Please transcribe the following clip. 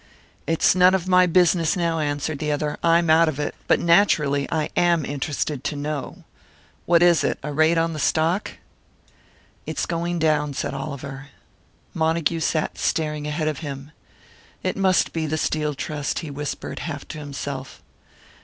"It's none of my business now," answered the other. "I'm out of it. But naturally I am interested to know. What is it a raid on the stock?" "It's going down," said Oliver. Montague sat staring ahead of him. "It must be the Steel Trust," he whispered, half to himself.